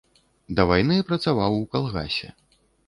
Да вайны працаваў у калгасе.